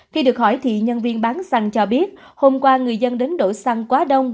khi được hỏi thì nhân viên bán xăng cho biết hôm qua người dân đến đổi xăng quá đông